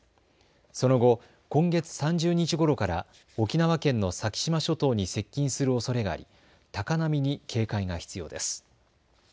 その後、今月３０日ごろから沖縄県の先島諸島に接近するおそれがあり高波に警戒が必要です。